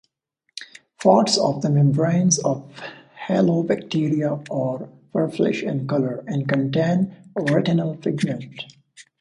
Parts of the membranes of halobacteria are purplish in color and contain retinal pigment.